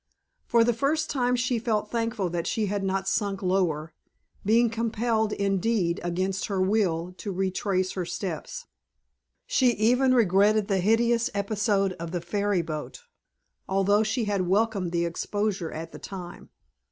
For the first time she felt thankful that she had not sunk lower; been compelled, indeed, against her will, to retrace her steps. She even regretted the hideous episode of the ferry boat, although she had welcomed the exposure at the time.